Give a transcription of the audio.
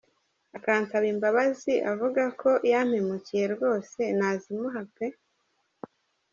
Akansaba imbabazi avuga ko yampemukiye rwose nazimuha pe!